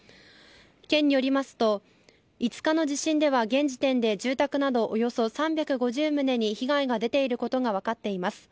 県によりますと、５日の地震では現時点で住宅などおよそ３５０棟に被害が出ていることが分かっています。